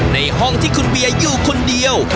ในห้องที่คุณเวียอยู่คนเดียว